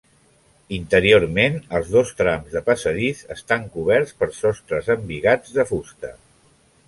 Interiorment, els dos trams de passadís estan coberts per sostres embigats de fusta.